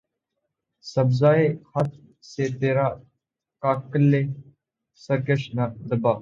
سبزہٴ خط سے ترا کاکلِ سرکش نہ دبا